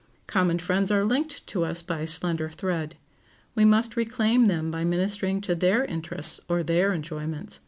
Common friends are linked to us by a slender thread. We must reclaim them by ministering to their interests or their enjoyments.